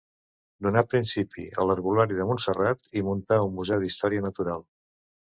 Donà principi a l'herbolari de Montserrat i muntà un museu d'història natural.